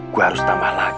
gue harus tambah lagi